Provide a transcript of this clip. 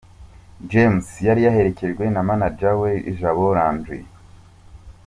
James yari yaherekejwe na manager we Jabo Landry.